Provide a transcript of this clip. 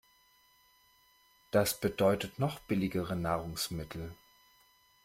Das bedeutet, noch billigere Nahrungsmittel.